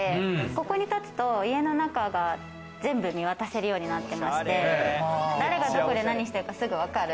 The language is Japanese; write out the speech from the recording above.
ここに立つと家の中が全部見渡せるようになってまして、誰がどこで何してるか、すぐわかる。